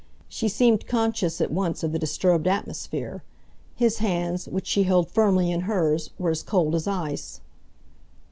She seemed conscious at once of the disturbed atmosphere. His hands, which she held firmly in hers, were as cold as ice.